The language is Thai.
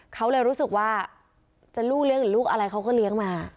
เขาเลยรู้สึกว่าจะลูกเลี้ยงหรือลูกอะไรเขาก็เลี้ยงมา